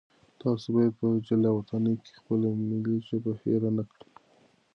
تاسو باید په جلاوطنۍ کې خپله ملي ژبه هېره نه کړئ.